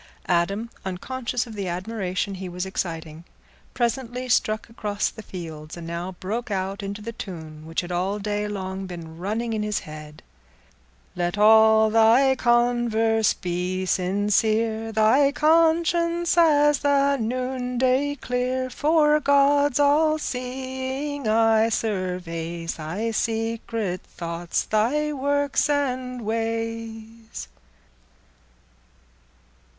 Adam, unconscious of the admiration he was exciting, presently struck across the fields, and now broke out into the tune which had all day long been running in his head: Let all thy converse be sincere, Thy conscience as the noonday clear; For God's all seeing eye surveys Thy secret thoughts, thy works and ways.